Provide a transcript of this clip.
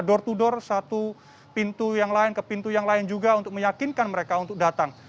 ke pintu yang lain ke pintu yang lain juga untuk meyakinkan mereka untuk datang